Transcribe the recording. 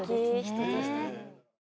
人としても。